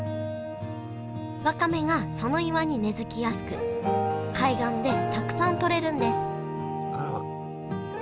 わかめがその岩に根づきやすく海岸でたくさん採れるんですあら。